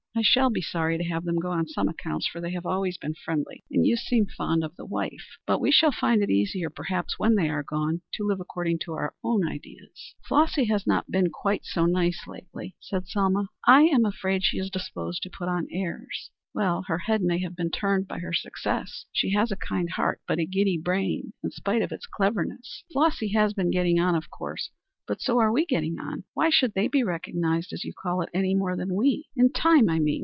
I shall be sorry to have them go on some accounts, for they have always been friendly, and you seem fond of the wife, but we shall find it easier, perhaps, when they are gone, to live according to our own ideas." "Flossy has not been quite so nice lately," said Selma; "I am afraid she is disposed to put on airs." "Her head may have been turned by her success. She has a kind heart, but a giddy brain in spite of its cleverness." "Flossy has been getting on, of course. But so are we getting on. Why should they be recognized, as you call it, any more than we? In time, I mean.